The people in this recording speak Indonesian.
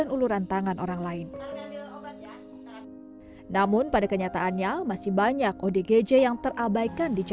bukan kalau ditanya gitu sedih